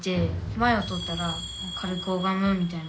前を通ったら軽く拝むみたいな。